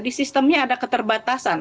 di sistemnya ada keterbatasan